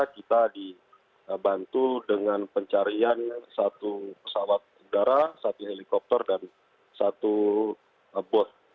kita dibantu dengan pencarian satu pesawat udara satu helikopter dan satu bot